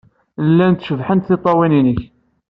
Llant cebḥent tiṭṭawin-nnek.